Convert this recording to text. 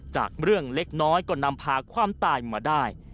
จากเรื่องเล็กน้อยก็นำพาความตายมาได้